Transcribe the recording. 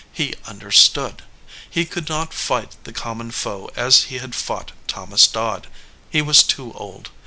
He understood. He could not fight the common foe as he had fought Thomas Dodd; he was too old.